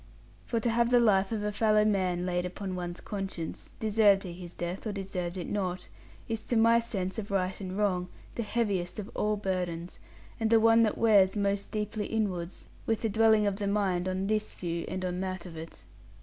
For to have the life of a fellow man laid upon one's conscience deserved he his death, or deserved it not is to my sense of right and wrong the heaviest of all burdens; and the one that wears most deeply inwards, with the dwelling of the mind on this view and on that of it.